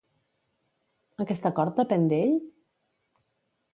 Aquest acord depèn d'ell?